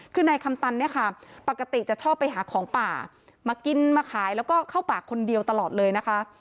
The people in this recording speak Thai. คือนายคำตันเนี่ยค่ะปกติจะชอบไปหาของป่ามากินมาขายแล้วก็เข้าป่าคนเดียวตลอดเลยนะคะ